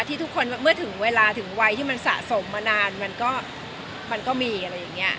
ที่ทุกคนเมื่อถึงเวลาถึงวัยที่มันสะสมมานานมันก็มีอะไรอย่างนี้